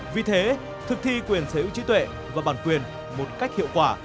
vì thế thực thi quyền sở hữu trí tuệ và bản quyền một cách hiệu quả